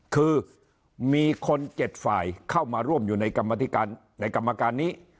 คือมีคน๗ฝ่ายเข้ามาร่วมอยู่ในกรรมธิการในกรรมการนี้